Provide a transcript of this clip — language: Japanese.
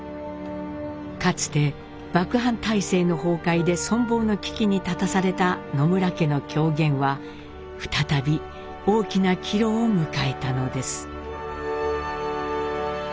かつて幕藩体制の崩壊で存亡の危機に立たされた野村家の狂言は再び大きな岐路を迎えたのです。